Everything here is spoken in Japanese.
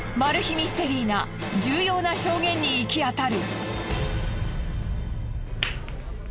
ミステリーな重要な証言に行き当たる。